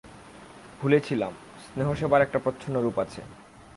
ভুলেছিলাম, স্নেহসেবার একটা প্রচ্ছন্ন রূপ আছে।